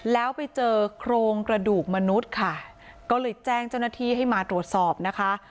แล้วไปเจอโครงกระดูกมนุษย์ค่ะก็เลยแจ้งเจ้าหน้าที่ให้มาตรวจสอบนะคะ